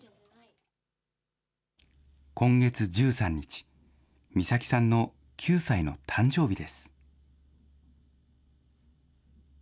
今月１３日、美咲さんの９歳の誕生日です。